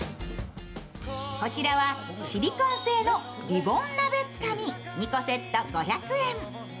こちらはシリコン製のリボンなべつかみ、２個セット５００円。